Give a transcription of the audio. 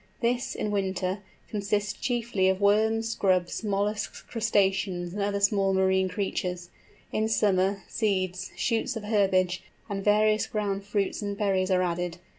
This, in winter, consists chiefly of worms, grubs, molluscs, crustaceans, and other small marine creatures; in summer, seeds, shoots of herbage, and various ground fruits and berries are added.